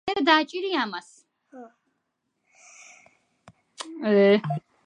შემდგომ შესაძლოა წევრ-კორესპონდენტი აირჩიონ აკადემიკოსად.